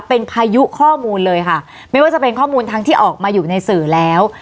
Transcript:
เป็นพายุข้อมูลเลยค่ะไม่ว่าจะเป็นข้อมูลทั้งที่ออกมาอยู่ในสื่อแล้ว